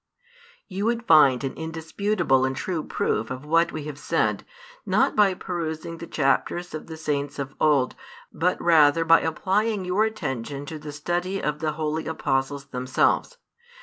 You would find an indisputable and true proof of what we have said, not by perusing the chapters of the saints of old, but rather by applying your attention to the study of the holy Apostles themselves.